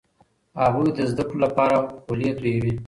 هغوی د زده کړو لپاره خولې تویوي.